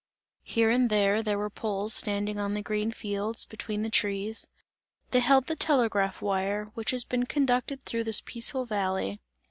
Here and there, there were poles standing on the green fields, between the trees; they held the telegraph wire, which has been conducted through this peaceful valley.